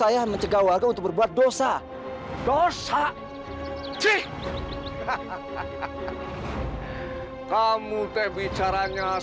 bahwa tidak bisa main main dengan ayah